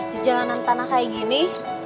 di jalanan tanah kayak gini